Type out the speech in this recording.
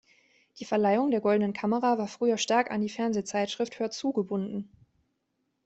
Die Verleihung der Goldenen Kamera war früher stark an die Fernsehzeitschrift Hörzu gebunden.